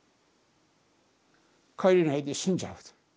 帰れないで死んじゃうんです。